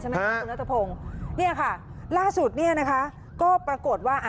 ใช่ไหมครับคุณรัฐพงศ์นี่ค่ะล่าสุดก็ปรากฏว่า